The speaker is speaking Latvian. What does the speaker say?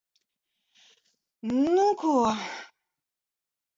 Nu ko...